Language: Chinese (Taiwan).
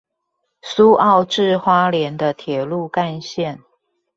蘇澳至花蓮的鐵路幹線